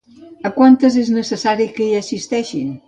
A quantes és necessari que hi assisteixin?